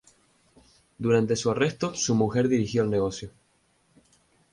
Durante su arresto, su mujer dirigió el negocio.